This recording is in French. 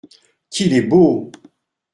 —qu’il est beau !